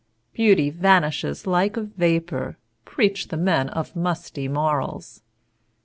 Beauty vanishes like a vapor, Preach the men of musty morals!